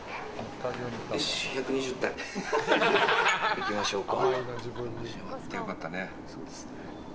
行きましょうか。